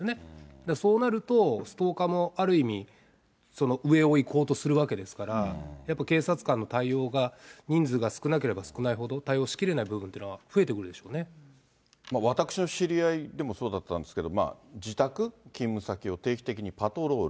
だからそうなると、ストーカーもある意味、上をいこうとするわけですから、やっぱ警察官の対応が、人数が少なければ少ないほど、対応しきれない部分というのが増え私の知り合いでもそうだったんですけれども、自宅、勤務先を定期的にパトロール。